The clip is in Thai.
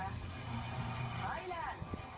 ข้อมูลเข้ามาดูครับ